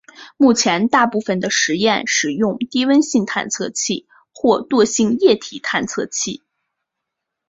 目前大部分的实验使用低温探测器或惰性液体探测器。